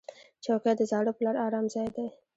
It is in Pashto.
چوکۍ د زاړه پلار ارام ځای دی.